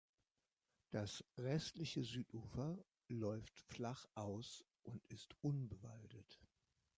Das restliche Südufer läuft flach aus und ist unbewaldet.